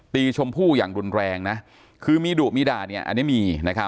ชมพู่อย่างรุนแรงนะคือมีดุมีด่าเนี่ยอันนี้มี